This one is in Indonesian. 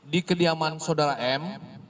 di kediaman saudara m